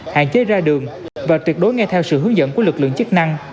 hạn chế ra đường và tuyệt đối ngay theo sự hướng dẫn của lực lượng chức năng